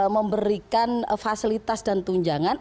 memberikan fasilitas dan tunjangan